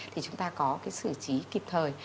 thì chúng ta có sử trí kịp thời